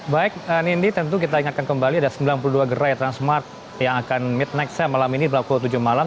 baik nindi tentu kita ingatkan kembali ada sembilan puluh dua gerai transmart yang akan midnight safe malam ini berlaku tujuh malam